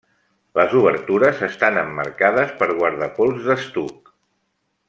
Les obertures estan emmarcades per guardapols d'estuc.